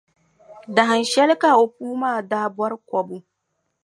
Dahinshɛli ka o puu maa daa bɔri kɔbu.